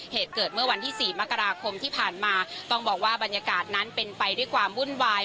เหตุเกิดเมื่อวันที่สี่มกราคมที่ผ่านมาต้องบอกว่าบรรยากาศนั้นเป็นไปด้วยความวุ่นวาย